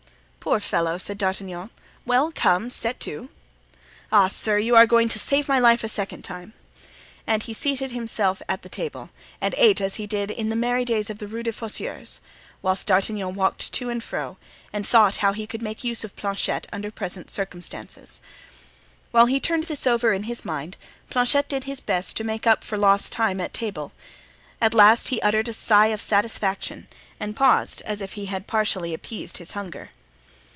"Poor fellow!" said D'Artagnan. "Well, come; set to." "Ah, sir, you are going to save my life a second time!" cried Planchet. And he seated himself at the table and ate as he did in the merry days of the Rue des Fossoyeurs, whilst D'Artagnan walked to and fro and thought how he could make use of Planchet under present circumstances. While he turned this over in his mind Planchet did his best to make up for lost time at table. At last he uttered a sigh of satisfaction and paused, as if he had partially appeased his hunger.